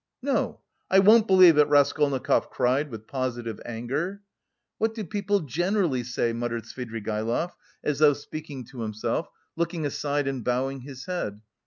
"No, I won't believe it!" Raskolnikov cried, with positive anger. "What do people generally say?" muttered Svidrigaïlov, as though speaking to himself, looking aside and bowing his head.